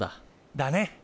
だね！